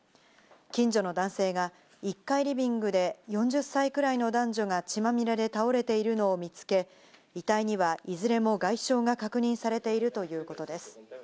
近所の男性が１階リビングで４０歳くらいの男女が血まみれで倒れているのを見つけ、遺体には、いずれも外傷が確認されているということです。